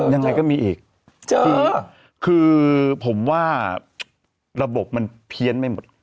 ยังไงก็มีอีกคือผมว่าระบบมันเพี้ยนไม่หมด